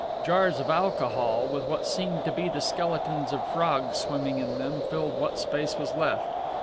Jars of alcohol with what seemed to be the skeletons of frogs swimming in them filled what space was left.